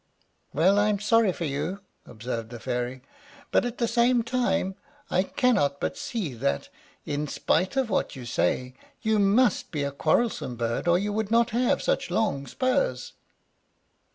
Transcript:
"Well, I am sorry for you," observed the Fairy; "but at the same time I cannot but see that, in spite of what you say, you must be a quarrelsome bird, or you would not have such long spurs."